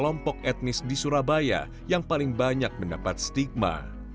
kelompok etnis di surabaya yang paling banyak mendapat stigma